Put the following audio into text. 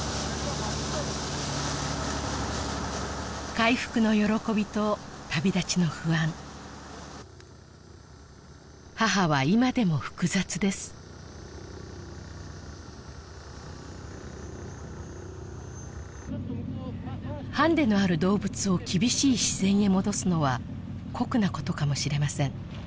回復の喜びと旅立ちの不安母は今でも複雑ですハンデのある動物を厳しい自然へ戻すのは酷なことかもしれません